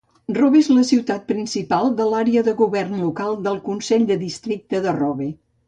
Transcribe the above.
Robe és la ciutat principal de l'àrea de govern local del consell de districte de Robe.